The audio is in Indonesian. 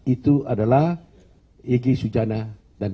itu adalah egy sujana dan